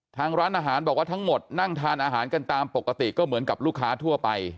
ทางร้านอาหารบอกว่าทั้งหมดนั่งทานอาหารกันตามปกติก็เหมือนกับลูกค้าทั่วไป